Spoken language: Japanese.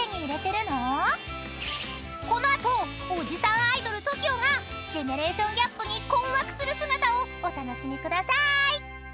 ［この後おじさんアイドルＴＯＫＩＯがジェネレーションギャップに困惑する姿をお楽しみください］